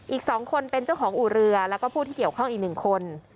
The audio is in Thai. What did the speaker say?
อีก๒คนเป็นเจ้าของอู่เรือแล้วก็ผู้ที่เกี่ยวข้องอีก๑คน